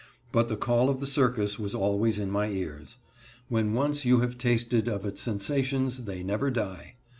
But the call of the circus was always in my ears. When once you have tasted of its sensations they never die.